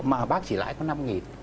mà bác chỉ lãi có năm nghìn